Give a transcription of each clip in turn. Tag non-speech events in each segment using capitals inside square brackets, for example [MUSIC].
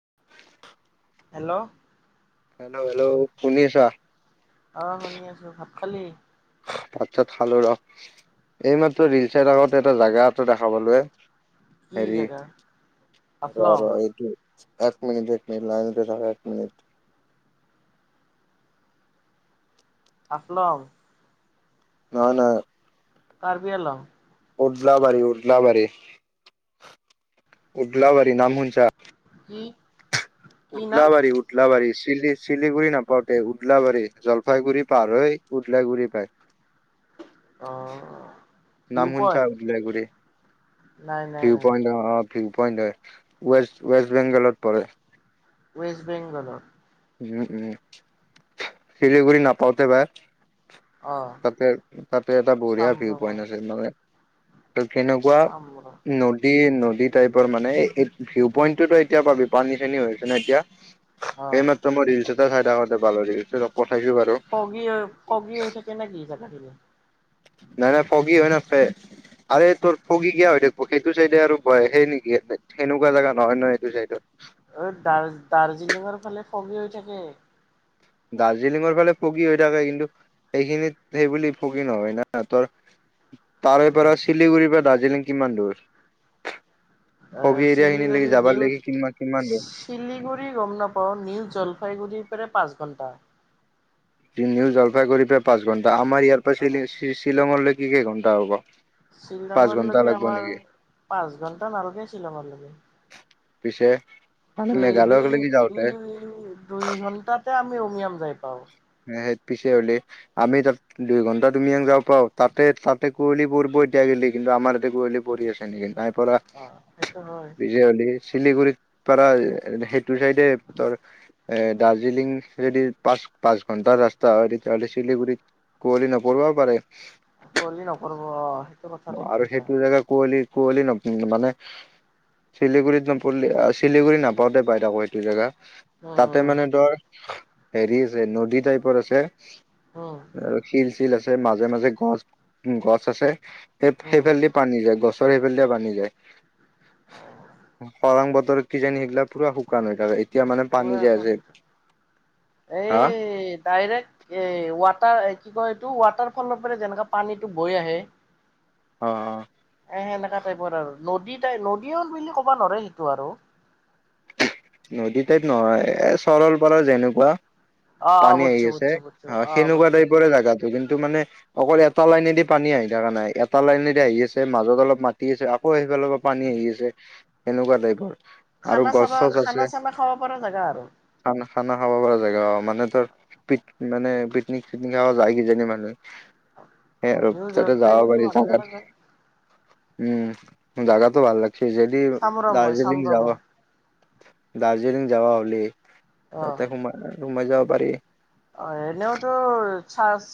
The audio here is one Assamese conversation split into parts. [INAUDIBLE] হেল্ল'' হেল্ল' হেল্ল' শুনিআছা? অ 'শুনি আছো ভাত খালি? ভাত চাত খালোঁ ৰহ। এইমাত্ৰ ৰিল চাইড আগতে এটা জোগা এটা দেখা পালোঁ এ ' কি হেৰী জেগা ৰ ' হাফলং ৰ এইটো এক মিনিট -এক মিনিট লাইনতে থাকা এক মিনিট। হাফলং। নহয় -নহয় কাৰ্বিআংলং উদলাবাৰী -উদলাবাৰী - উদলাবাৰী নাম শুনিছা? কি? কি নাম উদলাবাৰি - উদলবাৰি চিলি চিলিগুৰি নাপাওতে উদলাবাৰী জলপাইগুৰি পাৰহৈ উদলাগুৰি পায়। অ' -অ নাম শুনিছা উদালগুৰি। নাই নাই ভি নাই পইণ্ট অ ' অ ভিউ পইণ্ট হয় ৱেষ্ট -ৱেষ্ট বেংগলত পৰে। ৱেষ্ট বেংগলত। উম উম শিলিগুৰি নাপাওঁতেই পাই। অ তাতে- তাতে এটা বঢ়িয়া চাম ৰ ভিউ পইন্ট মই আছিল মানে তাত কেনেকুৱা চাম ৰ নদী -নদী টাইপৰ মানে ভিউ পইটটোতো এতিয়া পাবি পানী চানী হৈছে ন এতিয়া। অ এই মাত্ৰ মই দেখিছোঁ চাইডাতে ভাল [UNINTELLIGIBLE] ফগী হৈ ফগী হৈ থাকে নে কি থাকে? থাকিব নাই নাই ফগী হয় নাথকে আৰে তোৰ ফগী কিয় হৈ থাকব সেইটো চাইডে আৰু সেই নেকি? সেনেকুৱা জেগা নহয় ন এইটো চাইডত দাৰ্জিলিংঙৰ ফালে ফগী হৈ থাকে। দাৰ্জিলিংৰ ফালে ফগী হৈ থাকে কিন্তু সেইখিনিত সেই বুলি ফগী নহয় না তোৰ তাৰে পৰা শিলিগুৰি পৰা দাৰ্জিলিং কিমান দূৰ এ ফগি এৰিয়া খিনিলৈকে চিলিগুৰি যাবাৰ নিউ লৈকে কিমান কিমান দূৰ? চিলিগুৰি গম নাপাও নিউ জলফাই গুৰি পৰা পাচ ঘণ্টা ঘণ্টা নিও জলফাই গুৰি পৰা পাঁচ ঘণ্টা আমাৰ ইয়াৰ অ পৰা শ্বি শ্বিলঙৰ লৈকে কি কেইঘণ্টা হ'ব পাঁচ শ্বিলঙৰ ঘণ্টা লৈকে লাগব আমাৰ নেকি? পাঁচ ঘন্টা নালগে শ্বিলঙৰ লৈকে পিছে মানে দুই দুই মেঘালয়লৈকে যাওঁতে দুই দুই ঘন্টাতে আমি নিয়ম যায় পাও এ সেই পিছে হলে আমি তাত দুই ঘন্টা তুমিক যা পাও তাতে তাতে কুঁৱলী পৰিব এতিয়া গিলি কিন্তু আমাৰ তাতে কুঁৱলী পৰি আছে নেকি? পৰা অ সেইটো হয় বিজয়লি শিলিগুৰিত পৰা সেইটো চাইডে এ তোৰ দাৰ্জিলিং যদি পাচ পাঁচ ঘন্টা ৰাস্তা হয় তেতিয়াহ'লে শিলিগুৰিত কুঁৱলি নপৰিব পাৰে আকলি নকৰব অ সেইটো কথা ঠিক আৰু কৈছা। সেইটো জেগা কুৱলী কুঁৱলী ন মানে শিলিগুৰিত নপৰিলে শিলিগুৰিত নাপাওতে বাইদ আকৌ এইটো জেগা তাতে উম মানে ধৰ হেৰি আছে নদী টাইপৰ আছে উম অ ৰখী [UNINTELLIGIBLE] শিল আছে মাজে মাজে গছ গছ আছে সেই উম সেইফালে দি পানী যায় গছ সেইফালে দি পানী যায় খৰাং বতৰ কিজানি সেইগিলা পুৰা শুকান হৈ থ এখন এই হা ডাইৰেক্ট এই ৱাট তাৰ কি কয় এইটো ৱাটাৰ ফলৰ পৰা যেনেকা পানীটো বৈ আহে অ‍ঁ এ সেনেকা টাইপৰ আৰু নদী টাইপ নদী বুলিও কবা নোৱাৰে সেইটো আৰু নদী টাইপ নহয় এ চৰল পাৰল যেনেকুৱা অ অ পানী আহি বুজছো আছে বুজছো বুজছো অ সেনেকুৱা বুজছো টাইপৰে বুজছো জেগাতটো জান এইটো মানে অকল এটা লাইনেদি পানী আহি থাক নাই এটা লাইনেদি আহি আছে মাজত অলপ মাতি আছে আকৌ আহি অলপ পানী আহি আছে। কেনেকুৱা টাইপৰ আৰু খানা গছ চাবা চছ আছে খানা চানা খাব পৰা জাগা আৰু খানা খানা খাব পৰা মানে তোৰ পিক মানে পিকনিক চিকনিক যায় কিজান মানুহে সেয়া আৰু নিউ তাতে যাব জলপাইগুৰি পাৰি জাগা মানুহজনে কয় উম জাগাটো ভাল লাগে সি যদি চাম ৰ মই চাম দাৰ্জিলিং ৰ মই যাবা দাৰ্জিলিং যাবা হ'লে অ', তাতে সোমাই সোমাই যাব পাৰি অ এনেওতো চাচ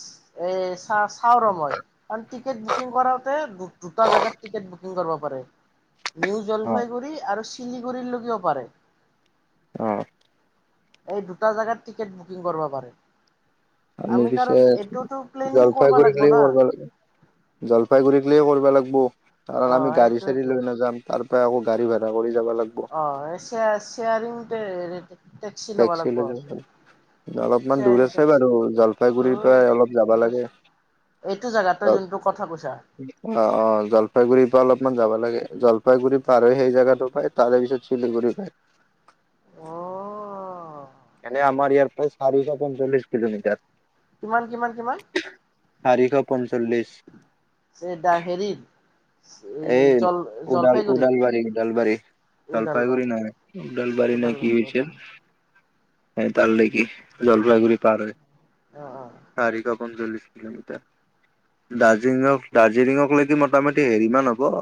এ চাহ চাও ৰ মই আৰু টিকট বুকিং কৰোতে দুটা জেগাত টিকট বুকিং কৰিব কৰে নিউ অ জলফাইগুৰি আৰু চিলিগুৰি লৈকো পাৰে অঁ এই দুটা জাগাত টিকেট বুকিং কৰিব পাৰে। আমি পিছে কাৰণ এইটোতো প্লেনিং কৰিব লাগিব জলপাইগুৰিকলেকে না কৰি জলপাইগুৰিকেলকে কৰিবা কৰবা লাগবু কাৰণ অ', আমি গাড়ী চাড়ী সেইটোৱেতো লৈ নাযাম আৰু গাড়ী ভাড়া কৰি যাব লাগব অহ অ শেয়াৰিং এ টেক্সি লৈ যাব অলপমান দূৰ শ্বেয়াৰিং আছে টেক্সি বাৰু জলফাইগুৰিৰ পৰা অলপ যাব লাগে এইটো জেগাত তই অ যোনটো কথা কৈছা অ অ জলপাইগুৰিৰ পৰা অলপমান যাবা লাগে জলপাইগুৰি পাৰ হৈ সেই জোগাটো পায় তাৰে পিছত চিলিগুৰি পায় অঅঅ এনে আমাৰ ইয়াৰ পৰা চাৰিশ পঞ্চল্লিছ কিলোমিটাৰ কিমান কিমান কিমান চাৰিশ পঞ্চল্লিশ দ হেৰি [INAUDIBLE] উদালগুৰি উদালগুৰি উদাল হে তালৈকে জলপাইগুৰি পাৰ অ', হৈ [UNINTELLIGIBLE] পঞ্চল্লিশ কিলমিটাৰ দাৰ্জিলিঙক দাৰ্জিলিঙক লৈকে মোটামটি হেৰি কিমান হব?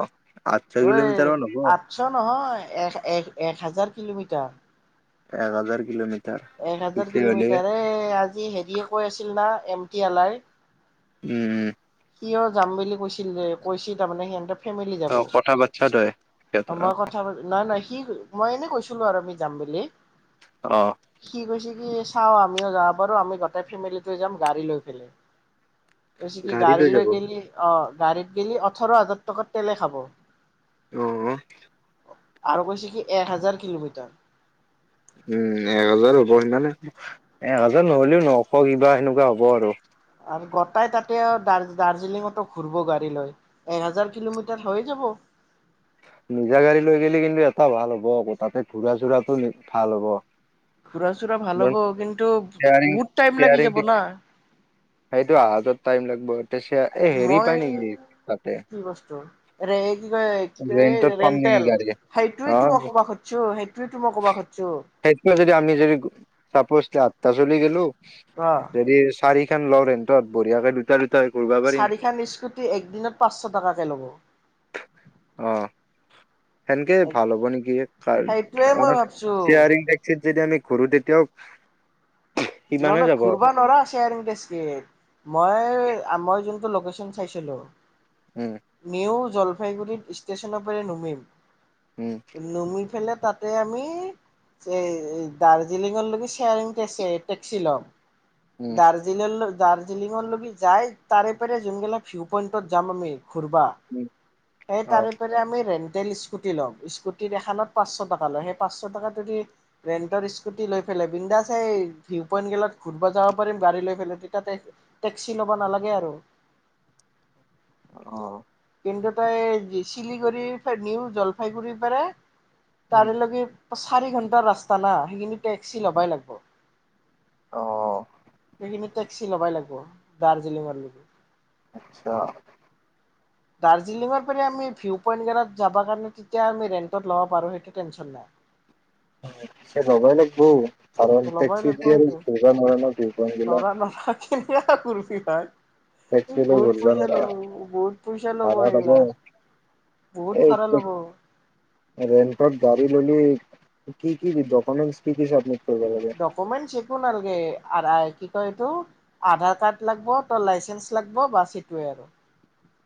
আঠশ ঐ কিলোমিটাৰ মান হ'ব আঠশ নহয় এক এক এক হাজাৰ কিলোমিটাৰ। এক হাজাৰ কিলোমিটাৰ। এক হাজাৰ পিছে হলে কিলোমিটাৰ এ আজি হেৰিয়ে কৈ আছিল না এম টি আলাৰ উম উম কিয় যাম বুলি কৈছিল যে কৈছিল তাৰমানে সিহঁতে ফেমেলি যাব অ কথা বাচ্ছা তই সিহঁত আমাৰ কথা নাই নাই কি মই এনে কৈছিলো আৰু আমি যাম বুলি। অ সি কৈছে চাও আমিও যাব পাৰো আমি গোটেই ফেমিলিটো যাম গাড়ী লৈ পেলে কি গাড়ী লৈ গেলি অ গাড়ীত গলি ওঠৰ হাজাৰ টকাত তেলেই খাব উ। আৰু কৈছে কি এক হাজাৰ কিলোমিটাৰ উম এহাজাৰ হ'ব সিমানে এহাজাৰ নহ'লেও নশ কিবা সেনেকুৱা হ'ব আৰু গোটাই তাতে দ দাৰ্জিলিঙতো ঘূৰিব গাড়ী লৈ এ হোজাৰ কিলোমিটাৰ হৈ যাব নিজা গাড়ী লৈ গেলি কিন্তু এটা ভাল হ'ব আকৌ তাতে ঘূৰা চোৰাতটো ভাল হ'ব ঘুৰা চুৰা ভাল হ'ব কিন্তু শ্বেয়াৰিং বহুত টাইম লাগি শ্বেয়াৰিং যাব না সেইটো আহা যোৱাত টাইম লাগবৈ মই কি বস্তু কি কয় কি কয় এই ৰেণ্টত পাম নেকি ৰেণ্টেল গাড়ী? সেইটোয়ে অ তো মই কব খুজিছো সেইটোয়ে তো মই কব খুজিছো। সাপ'জ তাত গুচি গেলো অ যদি চাৰি তে লও ৰেণ্টত বঢ়িয়াকে দুটা ঘূৰিব পাৰিম চাৰিখন স্কুটি একদিনত পাঁচশ টকাকে ল'ব অ সেনকে ভাল হ'ব নেকি কাৰ সেইটোৱে মই কাৰ ভাবছো শেয়াৰিং টেক্সিত যদি আমি কৰো তেতিয়াও ন সিমানে ন যাব ঘূৰ্বা নোৰা শ্বেয়াৰিং মই আমাৰ জোন লোকেশ্যন চাইছিলো উম নিউজ জলপাইগুৰিত ষ্টেচনৰ পৰাৰে নুমিম উম নুমি ফেলে তাতে আমি এই দাৰ্জিলিঙৰলৈকে শেয়াৰিং কেছে টেক্সি লং উম দাৰ্জিলিং দাৰ্জিলিঙৰ লগকি যাই তাৰে পাৰে যোনগিলা ভিউ পইণ্টত যাম আমি ফুৰবা উম এই অ তাৰেপ আমি ৰেন তেল স্কুটি লওঁ স্কুটিৰ এখনাত পাঁচশ টকা লয় সেই পাঁচশ টকাতদি ৰেণ্টৰ স্কুটি লৈ পেলাই বিন্দাছে এই ভিউ পইণ্টগিলাক ঘূৰিব যাব পাৰিম গাড়ী লৈ পেলাই তেতিয়া টেক্সি ল'ব নালাগে আৰু অঁ কিন্তু তই শিলিগুৰি নিউ জলপাইগুৰি পৰাৰে উম তাৰে লগে চাৰি ঘন্টা ৰাস্তা না সেইখিনি টেক্সি ল'বাই লাগিব অঁ সেইখিনি টেক্সি লবাই লাগিব দাৰ্জিলিঙৰ লগে আচ্ছা দাৰ্জিলিং পৰা আমি ভিও পয়েনত গিলাত যাব কাৰণে যেতিয়া ৰেন্তত লব পাৰোঁ আমি তেতিয়া আমি টেন্সন নাই। লব লাগ বৌ কাৰণ নাই ল'বই তেকচি লাগিব দিযে সেইটো ঘূৰিব নোৱাৰি ন ভিউ পইণ্ট বিলাক। টা কুৰচি হয় লৈ বহুত ঘূৰিব পইচা নোৱাৰা ল'ব বহুত পইচা ল'ব এইগিলা বহুত ভাড়া ল'ব ৰেণ্টত গাড়ী ললি কি কি ডকুমেণ্ট কি কিছে আপ ডকুমেণ্ট একো নালগে তই এইটো আধাৰ কাৰ্ড লাগব তই লাইচেন্ঞ্চ লাগব বছ সেইটোৱে আৰু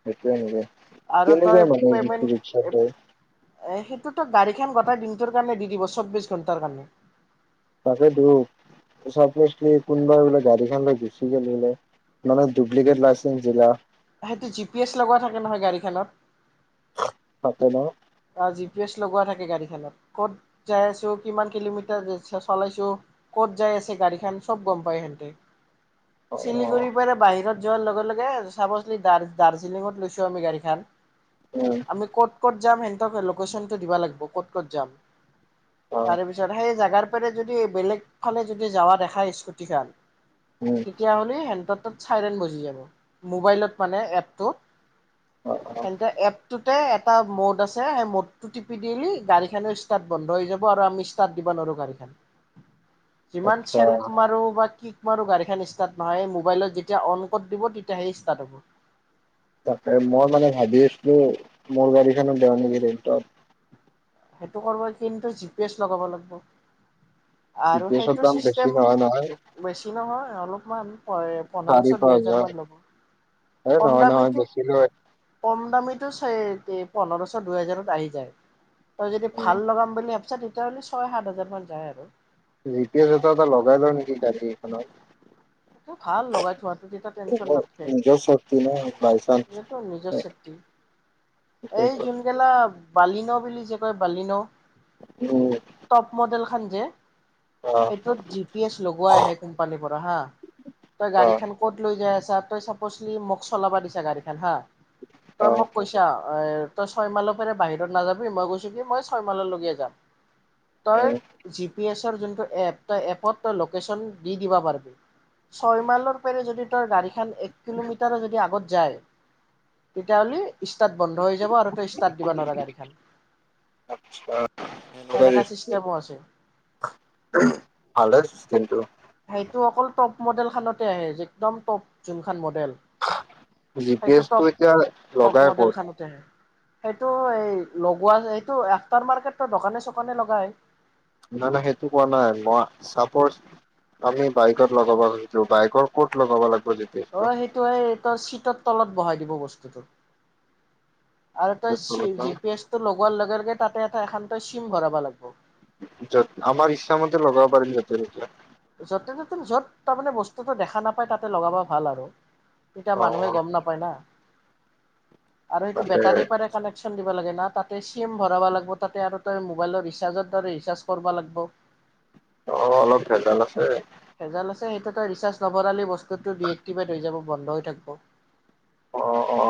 সেইটোৱে নেকি আৰু কেনেকুৱা ত‌ই মানে ই ৰিক্সাত পেমেণ্ট লৈ ত গাড়ীখন গোটেই দিনটোৰ কাৰণে দি দিব চৌ্ববিশ ঘণ্টাৰ কাৰণে তাকেইতো চবিচ মিনিট কোনোবাই বোলে গাড়ীখন লৈ গুচি গ' বোলে মানে ডুপ্লিকেট লাইচেঞ্চ দিলা সেইটো জি পি এছ লগোৱা থাকে নহয় গাড়ীখনত থাকে ন জি পি এছ লগোৱা থাকে গাড়ীখনত ক'ত যাই আছো কিমান কিলোমিটাৰ চলাইছো ক'ত যাই আছে গাড়ীখন চব গম পাই তাতে অ চিলিগুৰি পাৰে বাহিৰত যোৱাৰ লগে লগে চাবি দাৰ্জিলিঙত লৈছো আমি গাড়ীখন উম আমি ক'ত ক'ত যামেই লোকেশ্যনটো দিবা লাগিব ক'ত ক'ত যাম অ তাৰ পিছত সেই জাগাৰ যদি বেলেগ ফালে যদি যাৱা দেখা স্কুটি খান উম তেতিয়া হ'লে সেহতত চাইৰেন বাযিব মোবাইলত মানে এপটো অ অ এন্ত এপটোত এটা মদ আছে। মদটো টিপি দিলি গাড়ীখও ষ্টাৰ্ট বন্ধ হৈ যাব আৰু আমি ষ্টাৰ্ট দিব নোৱাৰো গাড়ীখন যিমান আচ্ছা চেল্ফ মাৰো বা কি তোমাৰো গাড়ীখন ষ্টাৰ্ট নহয় মোবাইলত যেতিয়া অন কৰি দিব তেতিয়াহে ষ্টাৰ্ট হ'ব। তাকে মই মানে ভাবি আছিলো মোৰ গাড়ীখনো দেওঁ নেকি ৰেনতত সেইটো কৰবলে কিন্তু জি পি এছ লগাব লাগিব। জি আৰু পি এছৰ সেইটো দাম বেছি ছিষ্টেম নহয় নহয় বেছি নহয়। অলপমান হয় চাৰি পোন্ধৰশ দুই পাঁচ হেজাৰ হাজাৰ মান ল'ব এ কম নহয় নহয় দামীটো বেছি লয় কম দামীত টো পোন্ধৰ ছৰ দুই হাজাৰত আহি যায়। তই যদি ভাল লগাম বুলি ভ চা তেতিয়াহ'লে ছয় সাত হাজাৰ মান যায় আৰু জি পি এছ এটা এটা লগাই লওঁ নেকি গাড়ী এখনত এইটো ভাল লগাই থোৱাটো তেতিয়া টেনচন নাথকে। নিজৰ চেফটি ন বাই চান্স এতো নিজৰ চেফটি। এই জুন গেলা বালিন বুলি যে কয় বালিন। উম হাঞ্জে অ এইটোত জি পি এচ লগাই আহে কোম্পানীৰ পৰা হা তই অ গাড়ী খন ক'ত লৈ যাই আছ তই চাপজলি মোক চলাবা দিচা গাড়ীখন হা। তই অ মোক কৈছা তই ছয় মাইলৰ পৰাৰে বাহিৰত নাযাবি মই কৈছো কি মই ছয় মাললৈকে যাম। তই উম জি পি এছ তোনটো জোনটো এপত লেশন দি দিব পাৰিবি ছয় মাইলৰ যদি তই গাড়ীখন এক কিলোমিটাৰৰ যদি আগত যায় তেতিয়াাহ'লে বন্ধ হৈ যাব আৰু ত ষ্টাৰট দিব নোৱাৰ গাড়ীখন ভালে চিচতেম আছে চিষ্টেমটো সেইটো অকল টপ মডেল খানতে আহে যে একদম টপ যোনখনান মডেল জি পি সেইটো এছ টো টপ এতিয়া টপ লগাই মডেল ক'ত খানতেহে আহে। সেইটো এই লগোৱা এইটো আফটাৰ মাৰ্কেটো দোকানে চোকানে লগাই। নাই নাই সেইটো কোৱা নাই মই চাপজ আমি বাইকত লগাব খুজিছো বাইকৰ ক'ত লগাব লাগ। অ সেইটো এই তোৰ চিতত তলত বহাই দিব বস্তুটো। আৰু তই চি জি পি এছ টো লগোৱা লগে লগে তাতে এটা এখন চিম ভৰাব লাগবৌ। যত আমাৰ ইচ্ছা মতে লগাব পাৰিম য'তে ততে য'তে ত'তে য'ত তাৰমানে বস্তুটো দেখা নাপায় তাতে লগাব ভাল আৰু। তেতিয়া অ মানুহে গম নাপায় না। আৰু সেইটো তাতে বেটাৰী পৰা কানেকশ্বন দি তাতে চিম ভৰাব লাগিব আৰু মোবাইলৰ ৰিচাৰ্জৰ দৰে ৰিচাৰ্জ কৰিব লাগিব। অ' অলপ ভেজাল আছে। ভেজাল আছে সেইটো তই ৰিচাৰ্জ নভৰালি বস্তু ডিএক্টিভেট হৈ যাব। বন্ধ হৈ থাকিব। অ -অ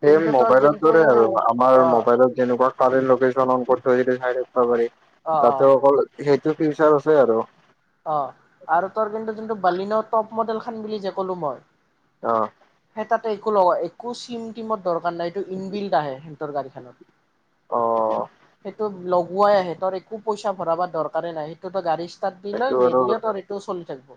ছেম কিন্তু তোৰ মোবাইলৰ যোনটো দৰে আৰু আমাৰ অ মোবাইলত যেনেকুৱা কাৰেণ্ট লোকেচন অন কৰি চটো [INAUDIBLE] চাই থাকিব পাৰি অ অ তাতো অকল সেই টো ফিউচাৰ আছে আৰু। অ' আৰু তোৰ কিন্তু যোনটো বালিন টপ মডেল খান বুলি যে ক'লো মই অ ' সেই তাতে একো লগা একো চিম টিমত দৰকাৰ নাই। এইটো ইন বিল্ড আহে সিহঁতৰ গাড়ীখনত। অ'। সেইটো লগ। ওৱাই আহে একো পইচা ভৰাব দৰকাৰ নাই সেইটোতো গাড়ী ষ্টাৰ্ট দিলে সেইটো আৰু নিদিলেও তোৰ এইটো চলি থাকিব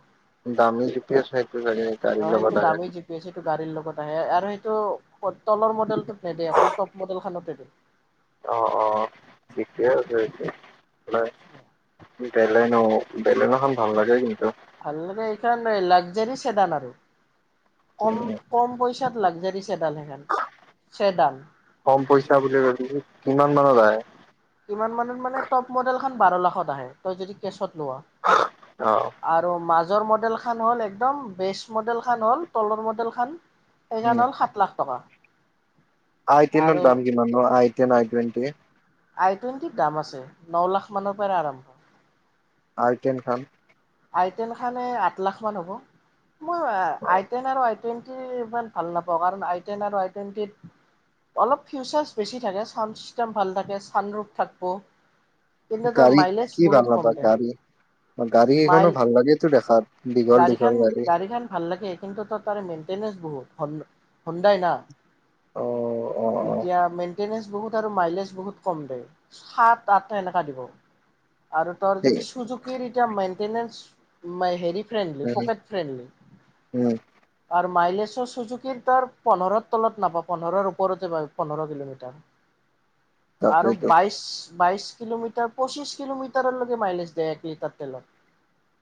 দামী জি-পি-এছ ফেক কৰিব লাগে অ গাড়ী সেইটো লগত দামী জি পি এছ সেইটো আহে গাড়ীৰ লগত আহে আৰু সেইটো তলৰ মডেলটোত নেদে অকল টপ মডেল খানতে দিয়ে। অ'অ'ঠিকেই আছে। হয় বেলেনো বেলেনোখন ভাল লাগে কিন্তু। ভাল লাগে সেই কাৰণে লাগজাৰি চেদান আৰু। কম উম, -কম পইচাত লাগজাৰি। কম পইচা বুলি ভাবিছো কিমান? কিমানৰ লাগে? কিমান মানত মানে টপ মডেল খন বাৰ লাখত আহে তই যদি কেচত লোৱা অ'। আৰু মাজ মাজৰ মডেল খান হ'ল একদম বেচ মডেল খন হ'ল তলৰ মডেল খন। এইখন হ'ল সাত লাখ টকা। আইটেন আৰু দাম কিমান নো? মানে আই আাইটুৱেন্টি? আই টুৱেণ্টিত দাম আছে ন লাখ মানৰ পৰা আৰম্ভ আই টেন খন? আইটেন খনে আঠ লাখমান হ'ব। মই আই টেন আৰু [UNINTELLIGIBLE] টুৱেণ্টি ইমান ভাল নাপাওঁ। কাৰণ, আই টেন আৰু আই টুৱেণ্টিত অলপ ফিউচাৰছ বেছি থাকে। চাউণ্ড ছিষ্টেম ভাল থাকে ছানৰোফ থাকিব। কিন্তু তাৰ গাড়ী মাইলেজ কি ভাল পাবা! গাড়ী, গাড়ী কেইখনো ভাল লাগেতো দেখাত দীঘল গাড়ী দীঘল গাড়ীখন ভাল লাগে। কিন্তু, ত তাৰ মেইন্টেনেছ অ সন্দাই না? অ অ অ এতিয়া আমি। [UNINTELLIGIBLE] বহুত মাইলেজ বহুত কম দিয়ে, সাত -আঠ এনেকে দিব। আৰু তোৰ সেই যদি চুজুকিৰ এতিয়া তেনে মই হেৰি! ফ্ৰেন্ড, উম প্ৰকেট ফ্ৰেন্ড উম আৰু মাইলেজ চুজুকিৰ তাৰ পোন্ধৰ তলত নাপাব, পোন্ধৰৰ ওপৰতে পাব পোন্ধৰ কিলোমিটাৰ। আৰু তাকেইতো বাইশ বাইশ কিলোমিটাৰ পঁচিশ কিলোমিটাৰৰলৈকে মাইলেজ দিয়ে, এক লিটাৰ তেলত।